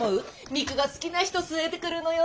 未来が好きな人連れてくるのよ。